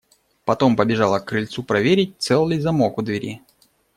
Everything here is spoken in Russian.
Потом побежала к крыльцу проверить, цел ли замок у двери.